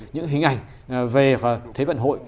những hình ảnh về thế vận hội